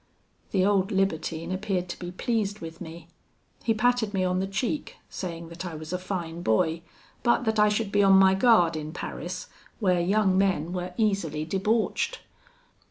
"The old libertine appeared to be pleased with me. He patted me on the cheek, saying that I was a fine boy, but that I should be on my guard in Paris, where young men were easily debauched.